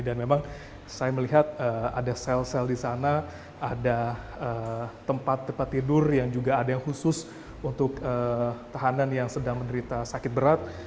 dan memang saya melihat ada sel sel di sana ada tempat tempat tidur yang juga ada yang khusus untuk tahanan yang sedang menderita sakit berat